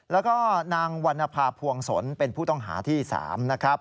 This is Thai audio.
แล้วก็นางวรรณภาพวงศลเป็นผู้ต้องหาที่๓นะครับ